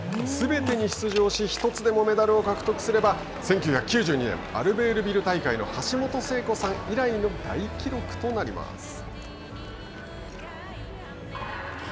すべてに出場し１つでもメダルを獲得すれば１９９２年アルベールビル大会の橋本聖子さん以来の大記録となります。